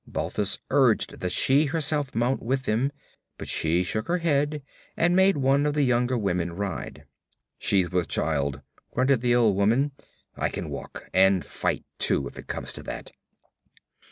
Balthus urged that she herself mount with them, but she shook her head and made one of the younger women ride. 'She's with child,' grunted the old woman. 'I can walk and fight, too, if it comes to that.'